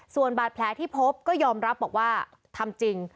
ส่วนบาดแผลที่พบก็ยอมรับบอกว่าทำจริง